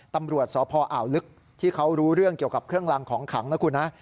ตำรวจสพอ่าวลึกที่เขารู้เรื่องเกี่ยวกับเครื่องรางของขังนะคุณนะ